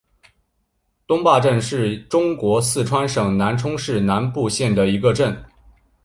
东坝镇是中国四川省南充市南部县的一个镇。